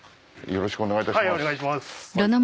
よろしくお願いします。